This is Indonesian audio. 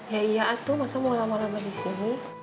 ya iya atuh masa mau lama lama disini